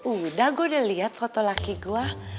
udah gua udah liat foto laki gua